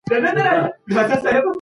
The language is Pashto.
پارلمان نړیوال ملاتړ نه هیروي.